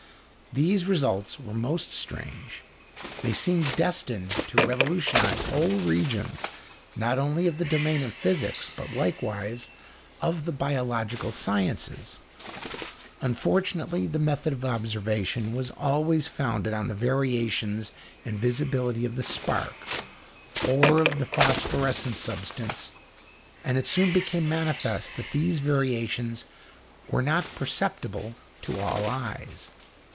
These results were most strange; they seemed destined to revolutionise whole regions not only of the domain of physics, but likewise of the biological sciences. Unfortunately the method of observation was always founded on the variations in visibility of the spark or of a phosphorescent substance, and it soon became manifest that these variations were not perceptible to all eyes.